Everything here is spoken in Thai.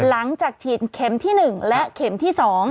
หลังจากฉีดเข็มที่๑และเข็มที่๒